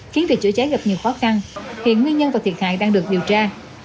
khiến việc chữa cháy gặp nhiều khó khăn hiện nguyên nhân và thiệt hại đang được điều tra